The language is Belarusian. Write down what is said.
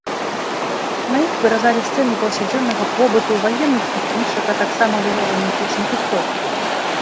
На іх выразалі сцэны паўсядзённага побыту, ваенных сутычак, а таксама выявы міфічных істот.